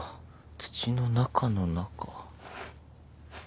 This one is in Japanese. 土の中の中？